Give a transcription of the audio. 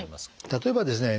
例えばですね